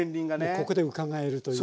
ここでうかがえるというね。